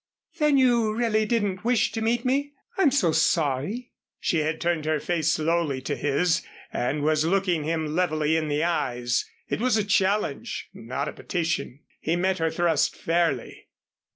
"Then you really didn't wish to meet me? I'm so sorry." She had turned her face slowly to his and was looking him levelly in the eyes. It was a challenge, not a petition. He met her thrust fairly.